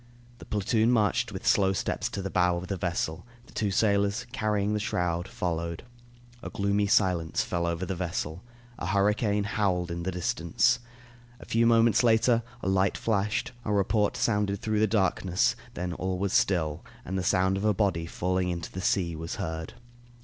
The platoon marched with slow steps to the bow of the vessel. The two sailors, carrying the shroud, followed. A gloomy silence fell over the vessel. A hurricane howled in the distance. A few moments later, a light flashed, a report sounded through the darkness, then all was still, and the sound of a body falling into the sea was heard.